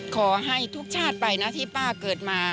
ขอให้ทุกชาติไปนะที่ป้าเกิดมา